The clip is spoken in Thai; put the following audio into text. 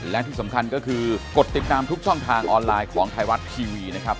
และที่สำคัญก็คือกดติดตามทุกช่องทางออนไลน์ของไทยรัฐทีวีนะครับ